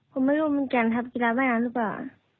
ผมไม่รู้เหมือนกันครับกีฬาว่ายน้ำหรือเปล่า